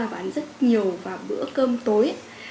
và ăn rất nhiều vào bữa cơm tối